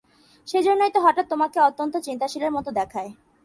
সেইজন্যই তো হঠাৎ তোমাকে অত্যন্ত চিন্তাশীলের মতো দেখায়।